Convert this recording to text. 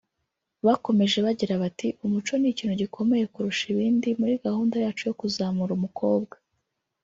Bakomeje bagira bati "Umuco ni ikintu gikomeye kurusha ibindi muri gahunda yacu yo kuzamura umukobwa